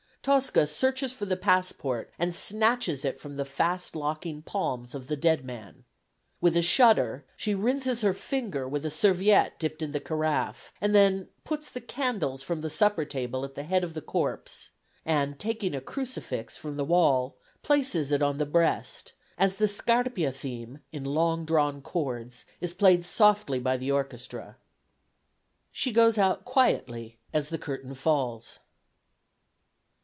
Tosca searches for the passport, and snatches it from the fast locking palms of the dead man. With a shudder she rinses her finger with a serviette dipped in the carafe, and then puts the candles from the supper table at the head of the corpse, and taking a crucifix from the wall, places it on the breast, as the Scarpia theme in long drawn chords is played softly by the orchestra. She goes out quietly as the curtain falls.